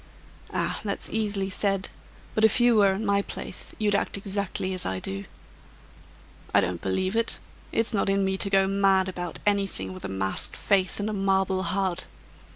"Ah! that's easily said; but if you were in my place, you'd act exactly as I do." "I don't believe it. It's not in me to go mad about anything with a masked face and a marble heart.